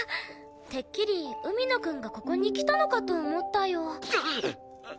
てっきり海野くんがここに来たのかと思ったよ。